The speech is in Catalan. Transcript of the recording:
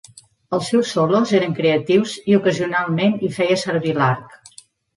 Els seus solos eren creatius i ocasionalment hi feia servir l'arc.